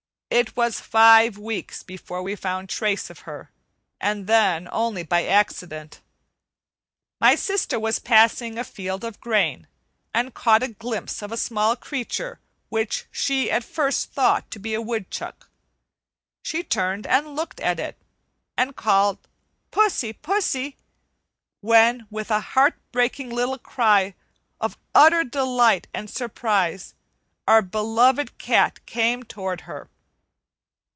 It was five weeks before we found trace of her, and then only by accident. My sister was passing a field of grain, and caught a glimpse of a small creature which she at first thought to be a woodchuck. She turned and looked at it, and called "Pussy, pussy," when with a heart breaking little cry of utter delight and surprise, our beloved cat came toward her.